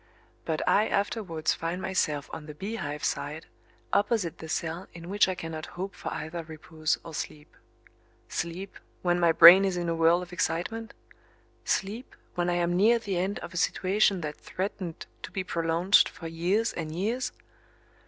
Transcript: But I afterwards find myself on the Beehive side, opposite the cell in which I cannot hope for either repose or sleep. Sleep, when my brain is in a whirl of excitement? Sleep, when I am near the end of a situation that threatened to be prolonged for years and years?